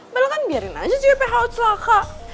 malah kan biarin aja sih pehaut selaka